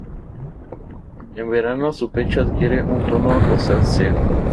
En verano su pecho adquiere un tono rosáceo.